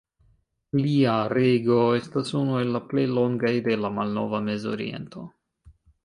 Lia rego estas unu el la plej longaj de la malnova Mezoriento.